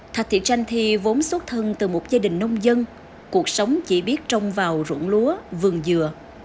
thạch thiện chanh thi vốn xuất thân từ một gia đình nông dân cuộc sống chỉ biết trông vào rụng lúa vườn dừa